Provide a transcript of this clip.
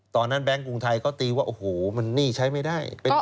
ตอนนั้นแบงกรุงไทยเข้าตีว่าโอ้โหมันนี่ใช้ไม่ได้